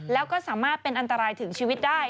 แล้วก็สามารถเป็นอันตรายถึงชีวิตได้